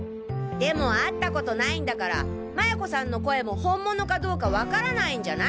でも会ったことないんだから麻也子さんの声も本物かどうかわからないんじゃない？